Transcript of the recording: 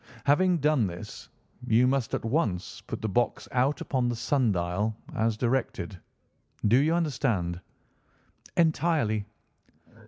Having done this, you must at once put the box out upon the sundial, as directed. Do you understand?" "Entirely."